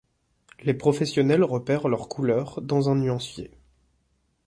Les professionnels repèrent leur couleur dans un nuancier.